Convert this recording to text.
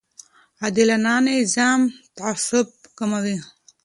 عادلانه نظام تعصب کموي